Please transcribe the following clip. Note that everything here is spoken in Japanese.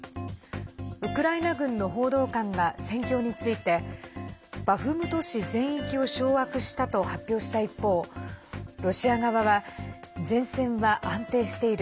ウクライナ軍の報道官が戦況についてバフムト市全域を掌握したと発表した一方ロシア側は、前線は安定している。